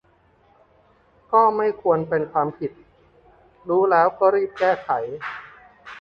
ก็ไม่ควรเป็นความผิด รู้แล้วก็รีบแก้ไข